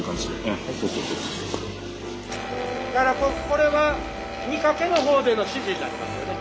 これは荷かけの方での指示になりますね。